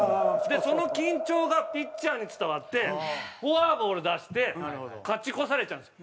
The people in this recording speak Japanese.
その緊張がピッチャーに伝わってフォアボール出して勝ち越されちゃうんですよ。